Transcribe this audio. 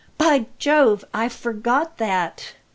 By Jove! I forgot that.